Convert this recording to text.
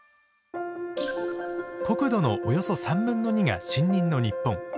国土のおよそ３分の２が森林の日本。